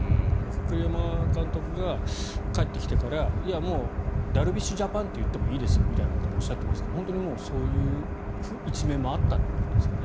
栗山監督が帰ってきてからダルビッシュジャパンと言ってもいいですよみたいなこともおっしゃっていますがそういう一面もあったんですかね。